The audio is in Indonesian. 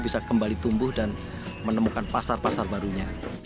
bisa kembali tumbuh dan menemukan pasar pasar barunya